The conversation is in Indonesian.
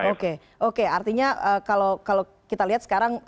oke oke artinya kalau kita lihat sekarang